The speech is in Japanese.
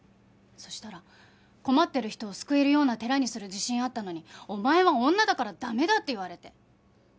そしたら困ってる人を救えるような寺にする自信あったのに「お前は女だから駄目だ」って言われて。